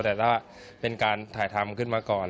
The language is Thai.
แต่ถ้าเป็นการถ่ายทำขึ้นมาก่อน